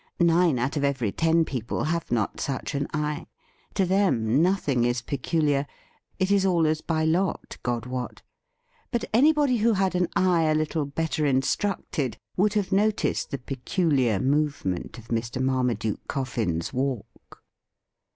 Nine out of every ten people have not such an eye. To them nothing is peculiar — it is all as by lot, God wot. But anybody who had an eye a little better instructed would have noticed the peculiar movement of Mr. Marmaduke Coffin's walk.